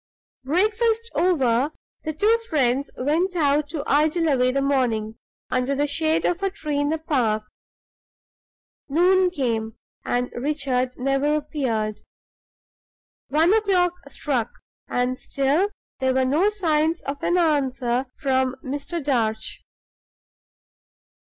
Breakfast over, the two friends went out to idle away the morning under the shade of a tree in the park. Noon came, and Richard never appeared. One o'clock struck, and still there were no signs of an answer from Mr. Darch.